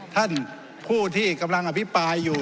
ท่านผู้ที่กำลังอภิปรายอยู่